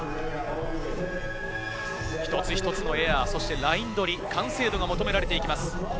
一つ一つのエア、ライン取り、完成度が求められます。